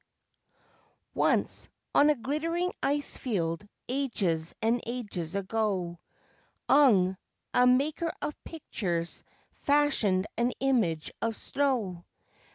Once, on a glittering ice field, ages and ages ago, Ung, a maker of pictures, fashioned an image of snow.